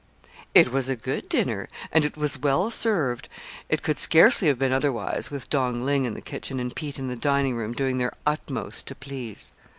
It was a good dinner, and it was well served. It could scarcely have been otherwise with Dong Ling in the kitchen and Pete in the dining room doing their utmost to please.